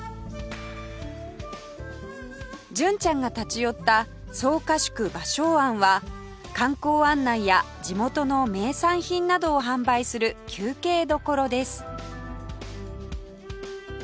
純ちゃんが立ち寄った草加宿芭蕉庵は観光案内や地元の名産品などを販売する休憩どころです